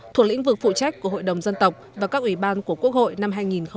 thuộc lĩnh vực phụ trách của hội đồng dân tộc và các ủy ban của quốc hội năm hai nghìn hai mươi